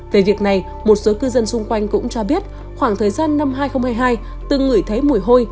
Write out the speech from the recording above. về việc này một số cư dân xung quanh cũng cho biết khoảng thời gian năm hai nghìn hai mươi hai từng ngửi thấy mùi hôi